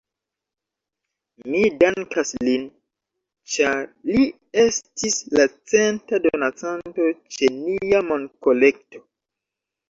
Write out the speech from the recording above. Mi dankas lin, ĉar li estis la centa donacanto ĉe nia monkolekto